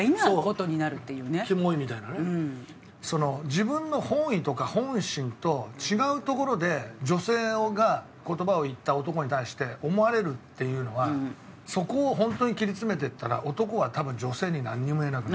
自分の本意とか本心と違うところで女性が言葉を言った男に対して思われるっていうのはそこを本当に切り詰めていったら男は多分女性になんにも言えなくなる。